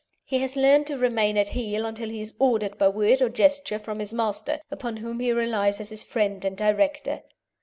He has learned to remain at heel until he is ordered by word or gesture from his master, upon whom he relies as his friend and director.